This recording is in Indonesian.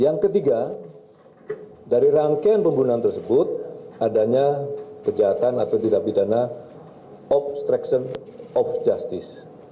yang ketiga dari rangkaian pembunuhan tersebut adanya kejahatan atau tidak pidana obstruction of justice